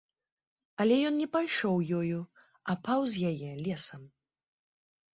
Але ён не пайшоў ёю, а паўз яе лесам.